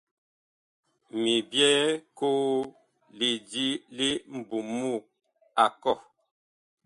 Mi byɛɛ koo lidi li mbumug a kɔh.